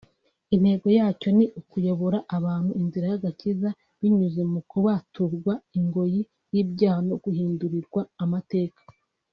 Intego yacyo ni ukuyobora abantu inzira y’agakiza binyuze mu kubaturwa ingoyi y’ibyaha no guhindurirwa amateka